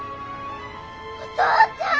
お父ちゃん！